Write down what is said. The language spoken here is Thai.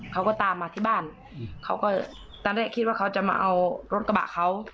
เขาก็ตามมาที่บ้านเขาก็ตอนแรกคิดว่าเขาจะมาเอารถกระบะเขา